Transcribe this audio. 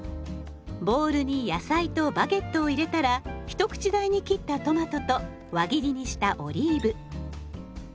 ボウルに野菜とバゲットを入れたら一口大に切ったトマトと輪切りにしたオリーブ。